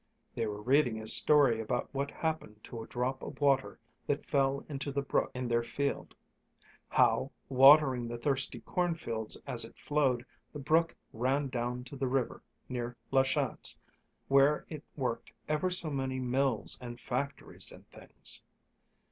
They were reading a story about what happened to a drop of water that fell into the brook in their field; how, watering the thirsty cornfields as it flowed, the brook ran down to the river near La Chance, where it worked ever so many mills and factories and things.